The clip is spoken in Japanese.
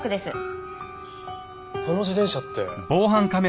この自転車って。